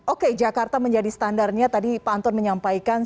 oke jakarta menjadi standarnya tadi pak anton menyampaikan